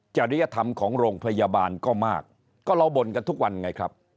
จริยธรรมของโรงพยาบาลก็มากก็เราบ่นกันทุกวันไงครับ